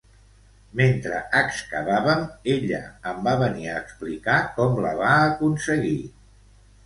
Mentre excavàvem, ella em va venir a explicar com la va aconseguir.